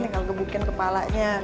tinggal gebukin kepalanya